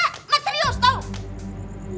emak serius tau